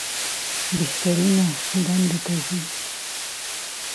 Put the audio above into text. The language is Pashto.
بهترینو دندو ته ځي.